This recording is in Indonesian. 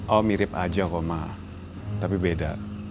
oh mirip aja koma tapi beda